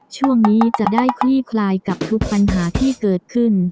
ช่วงนี้จะได้คลี่คลายกับทุกปัญหาที่เกิดขึ้น